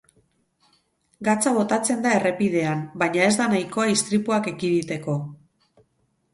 Gatza botatzen da errepidean, baina ez da nahikoa istripuak ekiditeko.